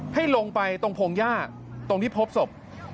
ให้ลงไปตรงพงหญ้าตรงที่พบศพ